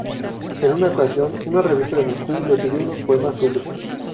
En una ocasión, una revista de Moscú le pidió unos poemas suyos.